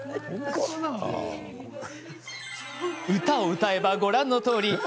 歌を歌えばご覧のとおり。